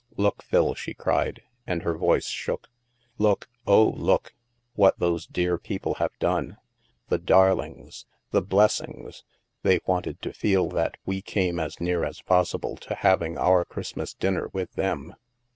" Look, Phil," she cried, and her voice shook, *' Look, oh, look, what those dear people have done ! The darlings! The blessings! They wanted to feel that we came as near as possible to having our Christmas dinner with them